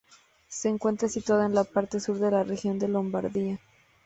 Se encuentra situada en la parte sur de la región de Lombardía.